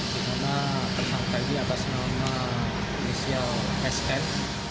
dimana pesangkali atas nama misial sn